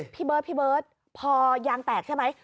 พี่เบิร์ดพอยางแตกใช่ไหม